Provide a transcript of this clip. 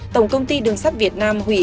tổng công ty đường sát việt nam hủy